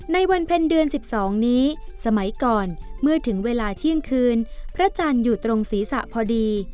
ในวันเพ็ญเดือน๑๒นี้สมัยก่อนเมื่อถึงเวลาเที่ยงคืนพระจันทร์อยู่ตรงศีรษะพอดี